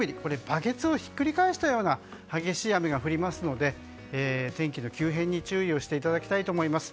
バケツをひっくり返したような激しい雨が降りますので天気の急変に注意をしていただきたいと思います。